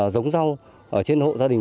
giống rau ở trên hộ gia đình